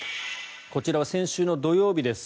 こちらは先週の土曜日です。